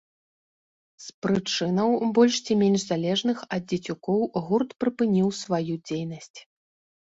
З прычынаў, больш ці менш залежных ад дзецюкоў, гурт прыпыніў сваю дзейнасць.